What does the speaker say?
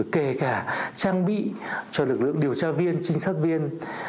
kể cả trang bị cho lực lượng điều tra viên trinh sát viên